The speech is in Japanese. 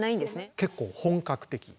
結構本格的。